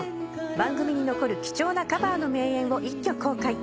番組に残る貴重なカバーの名演を一挙公開。